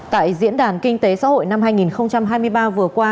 tại diễn đàn kinh tế xã hội năm hai nghìn hai mươi ba vừa qua